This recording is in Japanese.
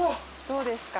どうですか？